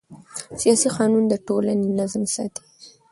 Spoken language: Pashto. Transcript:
سیاسي قانون د ټولنې نظم ساتي